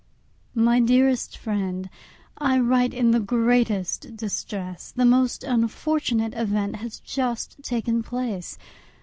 My dearest Friend,—I write in the greatest distress; the most unfortunate event has just taken place.